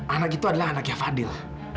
anak itu adalah anaknya fadil